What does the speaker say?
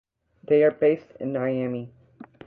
They are based in Niamey.